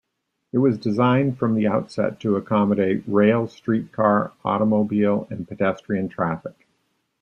It was designed from the outset to accommodate rail, streetcar, automobile and pedestrian traffic.